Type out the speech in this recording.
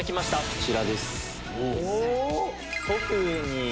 こちらです。